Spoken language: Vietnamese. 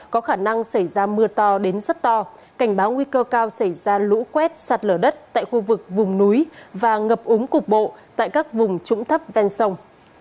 có khả năng xảy ra mưa to đến rất to cảnh báo nguy cơ cao xảy ra lũ quét sạt lở đất tại khu vực vùng núi và ngập úng cục bộ tại các vùng trũng thấp ven sông